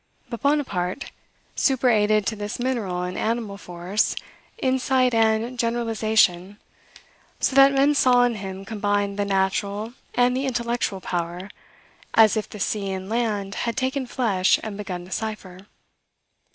But Bonaparte superadded to this mineral and animal force, insight and generalization, so that men saw in him combined the natural and the intellectual power, as if the sea and land had taken flesh and begun to cipher.